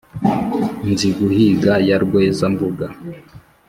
nziguhiga ya rweza-mbuga